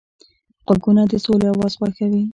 غوږونه د سولې اواز خوښوي